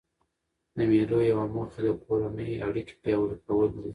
د مېلو یوه موخه د کورنۍ اړیکي پیاوړي کول دي.